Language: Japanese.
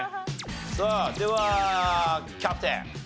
さあではキャプテン。